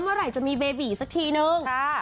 เมื่อไหร่จะมีเบบีสักทีนึง